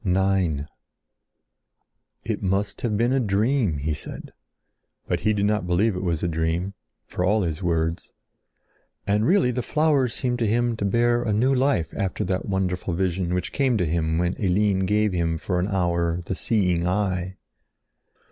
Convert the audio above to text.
IX "It must have been a dream!" he said. But he did not believe it was a dream—for all his words. And really the flowers seemed to him to bear a new life after that wonderful vision which came to him when Eline gave him for an hour the seeing eye.